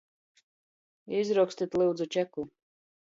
Izrokstit, lyudzu, čeku!